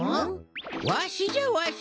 わしじゃわし！